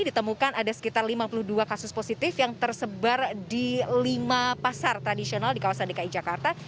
ditemukan ada sekitar lima puluh dua kasus positif yang tersebar di lima pasar tradisional di kawasan dki jakarta